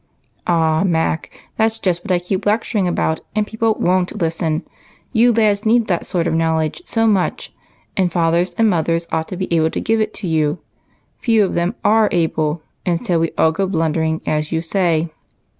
" Ah, Mac, that's just what I keep lecturing about, and people ivoii't listen. You lads need that sort of BROTHER BONES. 221 knowledge so much, and fathers and mothers ought to be able to give it to you. Few of them are able, and so we all go blundering, as you say.